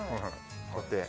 こうやって。